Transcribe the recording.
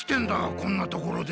こんなところで。